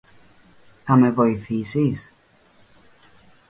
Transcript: Θα με βοηθήσεις?